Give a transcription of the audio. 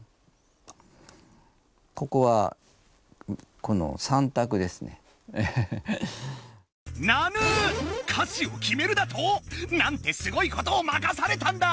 ここでなぬ⁉歌詞をきめるだと⁉なんてすごいことをまかされたんだ！